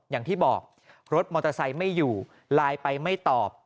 อย่างที่บอกรถมอเตอร์ไซค์ไม่อยู่ไลน์ไปไม่ตอบ